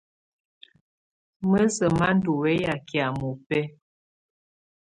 Mǝ́sǝ́ má ndɔ̀ wɛya kɛ̀á mɔ́bɛ̀á.